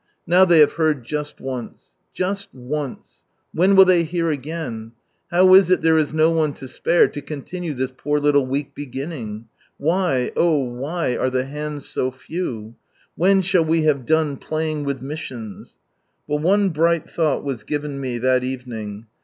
Now they have heard just oact, j'usl once. When will they hear again ? How is it there is no one to spare to continue this poor hltle weak beginning ? Why, oh why, arc the hands so few ? When shall we have done " playing with missions "? But one bright thought was given me that evening.